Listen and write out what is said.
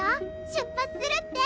出発するって！